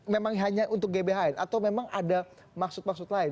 memang hanya untuk gbhn atau memang ada maksud maksud lain